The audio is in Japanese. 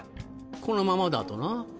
このままだとな。